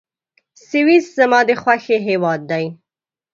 سویس زما د خوښي هېواد دی.